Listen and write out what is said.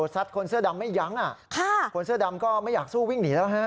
คนเสื้อดำไม่ยั้งคนเสื้อดำก็ไม่อยากสู้วิ่งหนีแล้วฮะ